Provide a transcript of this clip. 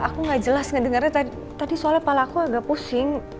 aku nggak jelas ngedengarnya tadi soalnya kepala aku agak pusing